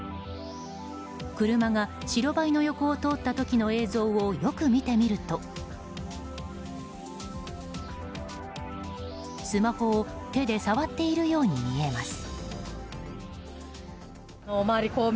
車が白バイの横を通った時の映像をよく見てみると、スマホを手で触っているように見えます。